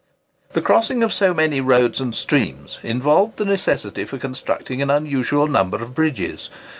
The crossing of so many roads and streams involved the necessity for constructing an unusual number of bridges.